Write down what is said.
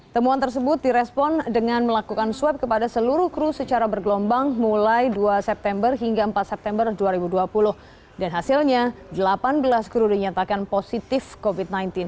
temuan tersebut direspon dengan melakukan swab kepada seluruh kru secara bergelombang mulai dua september hingga empat september dua ribu dua puluh dan hasilnya delapan belas kru dinyatakan positif covid sembilan belas